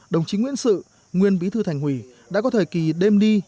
đồng chí nguyễn sự nguyên bí thư thành ủy đã có thời kỳ đêm đi